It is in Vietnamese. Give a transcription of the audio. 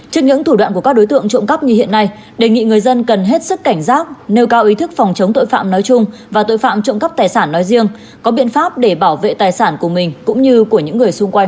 trước những thủ đoạn của các đối tượng trộm cắp như hiện nay đề nghị người dân cần hết sức cảnh giác nêu cao ý thức phòng chống tội phạm nói chung và tội phạm trộm cắp tài sản nói riêng có biện pháp để bảo vệ tài sản của mình cũng như của những người xung quanh